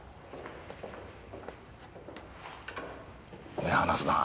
目離すな。